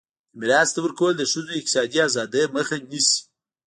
د میراث نه ورکول د ښځو د اقتصادي ازادۍ مخه نیسي.